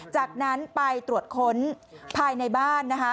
จากนั้นไปตรวจค้นภายในบ้านนะคะ